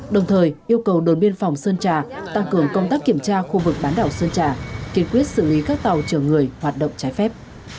đồng thời yêu cầu đồn biên phòng sơn trà tăng cường công tác kiểm tra khu vực bán đảo sơn trà kiên quyết xử lý các tàu chở người hoạt động trái phép